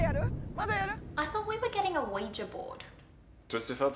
まだやる？